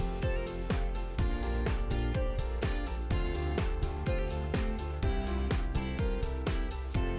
pembelajaran dan penghargaan dpr di jepang